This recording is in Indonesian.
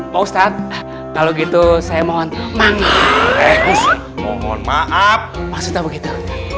pak ustadz kalau gitu saya mohon maaf maksudnya begitu